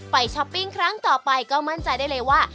ช้อปปิ้งครั้งต่อไปก็มั่นใจได้เลยว่า